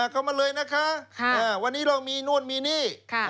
เข้ามาเลยนะคะวันนี้เรามีนู่นมีนี่